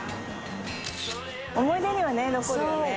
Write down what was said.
思い出にはね残るよね。